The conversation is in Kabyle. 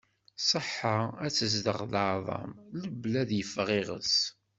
Ṣṣeḥḥa ad tezdeɣ laɛḍam, lebla ad yeffeɣ iɣess.